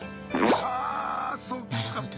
はあそっか。